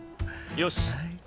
よし。